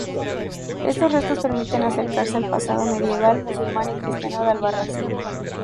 Estos restos permiten acercarse al pasado medieval, musulmán y cristiano de Albarracín.